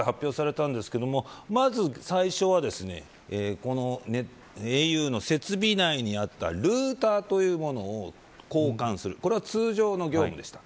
昨日、詳しく発表されたんですけどまず、最初はａｕの設備内にあったルーターというものを交換するこれは、通常の業務でした。